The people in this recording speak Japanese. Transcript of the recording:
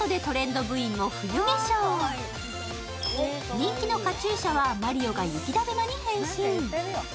人気のカチューシャはマリオが雪だるまに変身。